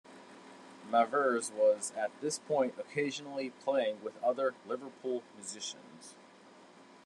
Mavers was at this point occasionally playing with other Liverpool musicians.